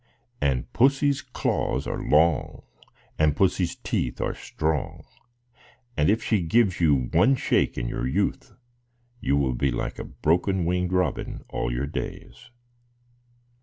And Pussy's claws are long, and Pussy's teeth are strong; and if she gives you one shake in your youth, you will be like a broken winged robin all your days."